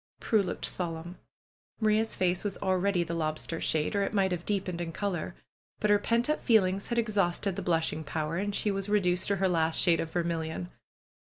Prue looked solemn. Maria's face was already the lobster shade, or it might have deepened in color. But her pent up feel ings had exhausted the blushing power and she was re duced to her last shade of vermilion.